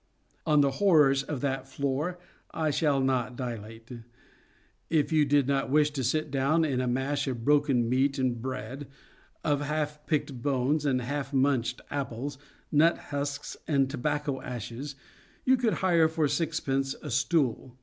On the horrors of that floor I shall not dilate. If you did not wish to sit down in a mash of broken meat and bread, of half picked bones and half munched apples, nut husks and tobacco asheSj you could hire for sixpence a stool.